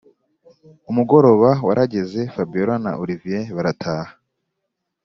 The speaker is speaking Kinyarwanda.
umugoroba warageze fabiora na olivier barataha.